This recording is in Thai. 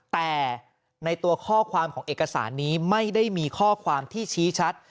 แต่ในตัวข้อความของเอกสารนี้ไม่ได้มีข้อความที่ชี้ชัด